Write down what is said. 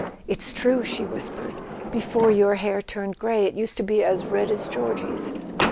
"It's true," she whispered, "before your hair turned grey it used to be as red as Georgie's."